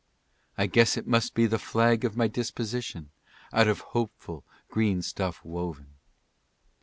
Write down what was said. "I guess it must be the flag of my disposition, out of hopeful green stuff woven.